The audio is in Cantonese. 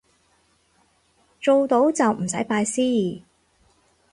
做到就唔使拜師